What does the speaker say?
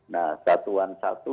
nah satuan satu